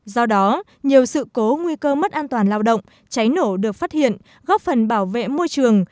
do đó nhiều sự cố nguy cơ mất an toàn lao động cháy nổ được phát hiện góp phần bảo vệ môi trường